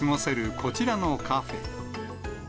こちらのカフェ。